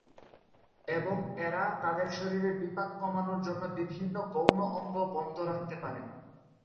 এবং এরা তাদের শরীরের বিপাক কমানোর জন্য বিভিন্ন গৌণ অঙ্গ বন্ধ রাখতে পারে।